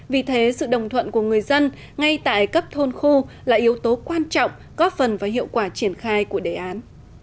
vì thế sự đồng thuận của người dân ngay tại cấp thôn khu là yếu tố quan trọng góp phần và hiệu quả triển khai của đề án